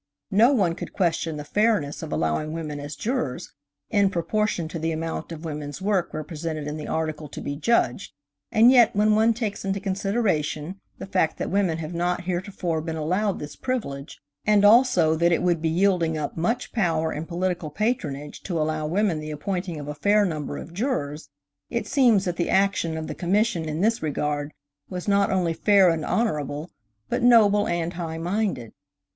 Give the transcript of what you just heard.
No one could question the fairness of allowing women as jurors in proportion to the amount of women's work represented in the article to be judged, and yet when one takes into consideration the fact that women have not heretofore been allowed this privilege, and also that it would be yielding up much power and political patronage to allow women the appointing of a number of jurors, it seems that the action of the Commission in this regard was not only fair and honorable, but noble and high minded.